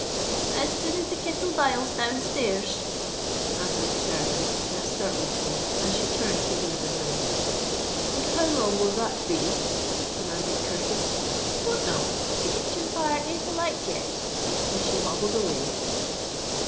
"As soon as the kittle biles down stairs," answered the servant, in a surly tone, as she turned to leave the room. "And how long will that be?" demanded Curtis. "Don't know: the kitchen fire ain't alight yet:"—and she hobbled away.